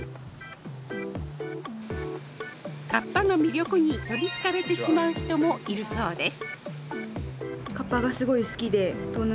カッパの魅力に取りつかれてしまう人もいるそうです。